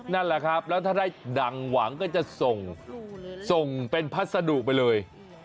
นั่นแหละครับแล้วถ้าได้ดังหวังก็จะส่งส่งเป็นพัสดุไปเลย